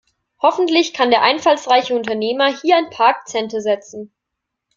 Hoffentlich kann der einfallsreiche Unternehmer hier ein paar Akzente setzen.